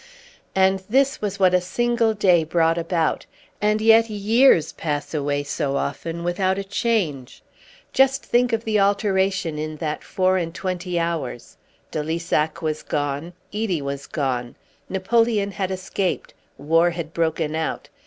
And this was what a single day brought about; and yet years pass away so often without a change. Just think of the alteration in that four and twenty hours. De Lissac was gone. Edie was gone. Napoleon had escaped. War had broken out.